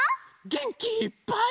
げんきいっぱい。